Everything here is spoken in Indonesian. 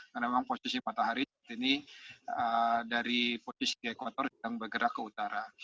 karena memang posisi matahari seperti ini dari posisi dekator sedang bergerak ke utara